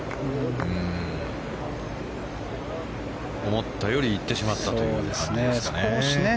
思ったより行ってしまったという感じですかね。